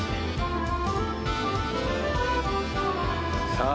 さあ